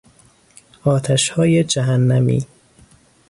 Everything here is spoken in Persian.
آتشهای جهنمی